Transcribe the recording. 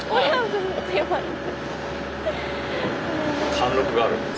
貫禄があるほら。